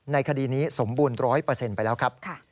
คดีนี้สมบูรณ์๑๐๐ไปแล้วครับ